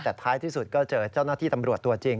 แต่ท้ายที่สุดก็เจอเจ้าหน้าที่ตำรวจตัวจริง